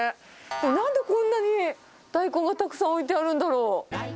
なんでこんなに大根がたくさん置いてあるんだろう。